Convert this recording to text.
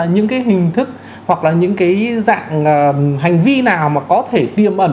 những hình thức hoặc những dạng hành vi nào có thể tiềm ẩn